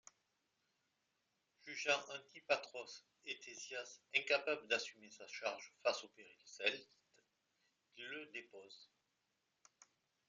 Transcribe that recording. Jugeant Antipatros Étésias incapable d'assumer sa charge face au péril celte, il le dépose.